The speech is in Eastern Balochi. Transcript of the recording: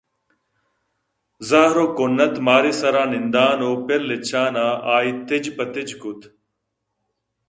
زہر ءُ کُنّت مارے ءِ سرانندان ءُ پرلچّان ءَ آئے تِج پہ تِج کُت